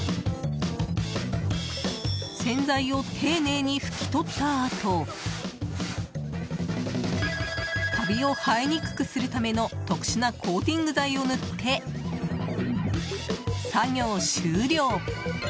洗剤を丁寧に拭き取ったあとカビを生えにくくするための特殊なコーティング剤を塗って作業終了。